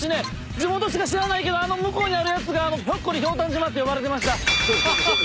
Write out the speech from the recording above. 地元しか知らないけどあの向こうにあるやつがひょっこりひょうたん島って呼ばれてました。